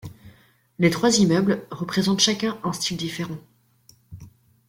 Les trois immeubles représentent chacun un style différent.